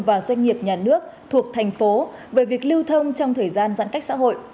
và doanh nghiệp nhà nước thuộc thành phố về việc lưu thông trong thời gian giãn cách xã hội